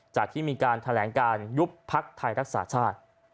ที่มีการแถลงการยุบพักไทยรักษาชาติ